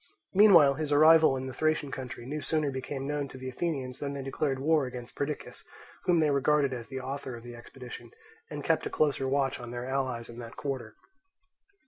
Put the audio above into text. Meanwhile his arrival in the Thracian country no sooner became known to the Athenians than they declared war against Perdiccas, whom they regarded as the author of the expedition, and kept a closer watch on their allies in that quarter.